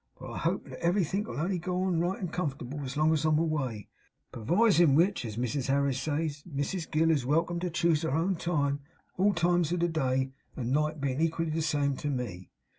But I hope that everythink'll only go on right and comfortable as long as I'm away; perwisin which, as Mrs Harris says, Mrs Gill is welcome to choose her own time; all times of the day and night bein' equally the same to me.